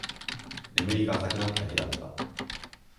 眠りが浅くなっただけだった